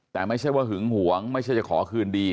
แต่ไม่ใช่ว่าหึงหวงไม่ใช่จะขอคืนดี